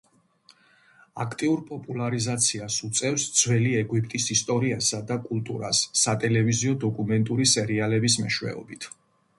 აქტიურ პოპულარიზაციას უწევს ძველი ეგვიპტის ისტორიასა და კულტურას სატელევიზიო დოკუმენტური სერიალების მეშვეობით.